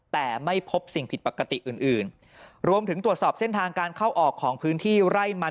แต่ไม่พบสิ่งผิดปกติอื่นอื่นรวมถึงตรวจสอบเส้นทางการเข้าออกของพื้นที่ไร่มัน